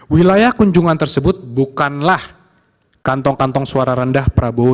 wilayah kunjungan tersebut bukanlah kantong kantong suara rendah prabowo